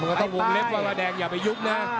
ก็ต้องวงเล็บว่าระแดงอย่าไปยุบนะ